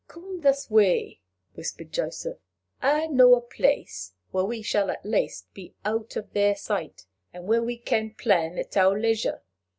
"Come this way," whispered Joseph. "I know a place where we shall at least be out of their sight, and where we can plan at our leisure."